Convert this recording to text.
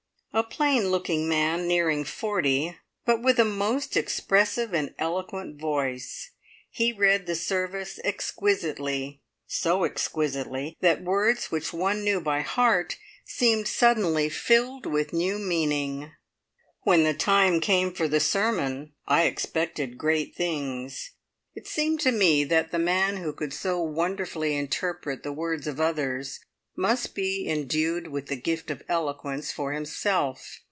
A plain looking man nearing forty, but with a most expressive and eloquent voice. He read the service exquisitely so exquisitely, that words which one knew by heart seemed suddenly filled with new meaning. When the time came for the sermon I expected great things. It seemed to me that the man who could so wonderfully interpret the words of others, must be endued with the gift of eloquence for himself.